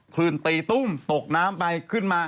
คืนตีตุ้มตกน้ำไปขึ้นมา